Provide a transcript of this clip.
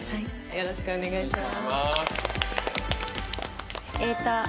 よろしくお願いします。